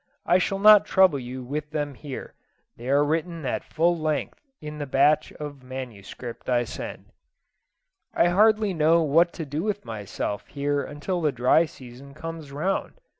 I shall not trouble you with them here: they are written at full length in the batch of MS. I send. I hardly know what to do with myself here until the dry season comes round.